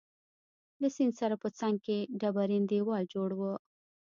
له سیند سره په څنګ کي ډبرین دیوال جوړ وو.